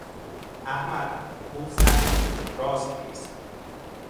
احمد، قوز نکن! راست بایست!